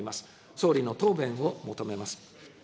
総理の答弁を求めます。